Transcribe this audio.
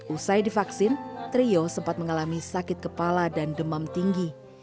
usai divaksin trio sempat mengalami sakit kepala dan demam tinggi